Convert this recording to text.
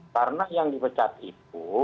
karena yang dipecat itu